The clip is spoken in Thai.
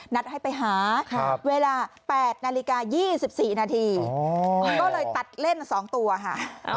ให้ไปหาเวลา๘นาฬิกา๒๔นาทีก็เลยตัดเล่น๒ตัวค่ะ